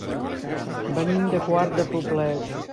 Venim de Quart de Poblet.